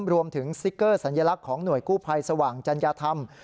สติ๊กเกอร์สัญลักษณ์ของหน่วยกู้ภัยสว่างจัญญาธรรม